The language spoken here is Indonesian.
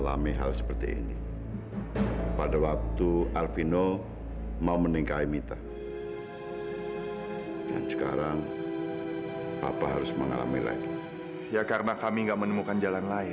sampai jumpa di video selanjutnya